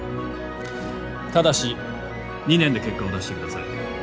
ただし２年で結果を出してください。